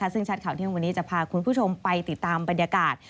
ซึ่งชัดข่าวเที่ยงวันนี้จะพาคุณผู้ชมไปติดตามบรรยากาศ